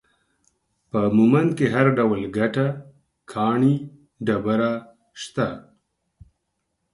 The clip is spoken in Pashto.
په مومند کې هر ډول ګټه ، کاڼي ، ډبره، شته